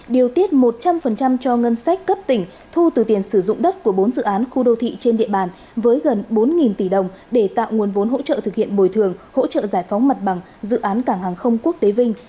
điều tiết một trăm linh cho ngân sách cấp tỉnh thu từ tiền sử dụng đất của bốn dự án khu đô thị trên địa bàn với gần bốn tỷ đồng để tạo nguồn vốn hỗ trợ thực hiện bồi thường hỗ trợ giải phóng mặt bằng dự án cảng hàng không quốc tế vinh